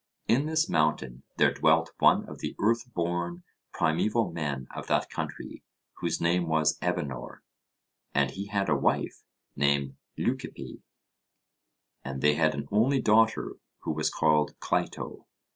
In this mountain there dwelt one of the earth born primeval men of that country, whose name was Evenor, and he had a wife named Leucippe, and they had an only daughter who was called Cleito.